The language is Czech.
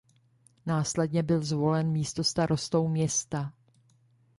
Následně byl zvolen místostarostou města.